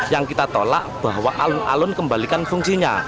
yang kita tolak bahwa alun alun kembalikan fungsinya